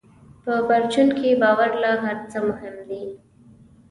په پرچون کې باور له هر څه مهم دی.